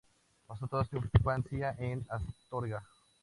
Pasó toda su infancia en Astorga.